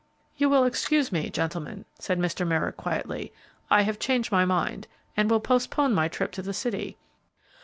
"You will excuse me, gentlemen," said Mr. Merrick, quietly, "I have changed my mind, and will postpone my trip to the city."